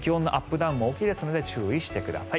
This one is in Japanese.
ダウンも大きいですので注意してください。